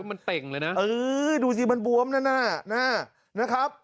มันเต่งเลยนะเออดูสิมันบวมแน่นะครับ